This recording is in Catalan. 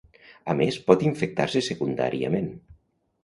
A més, pot infectar-se secundàriament.